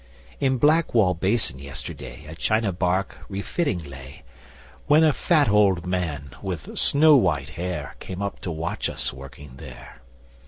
In Blackwall Basin yesterday A China barque re fitting lay, When a fat old man with snow white hair Came up to watch us working there.